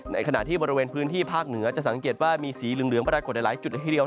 ในขณะที่บริเวณพื้นที่ภาคเหนือจะสังเกตว่ามีสีเหลืองปรากฏในหลายจุดละทีเดียว